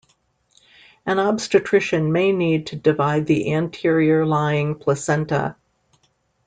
An obstetrician may need to divide the anterior lying placenta.